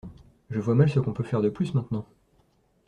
Je vois mal ce qu’on peut faire de plus maintenant.